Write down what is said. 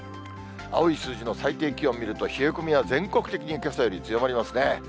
青い数字の最低気温を見ますと、冷え込みは全国的にけさより強まりますね。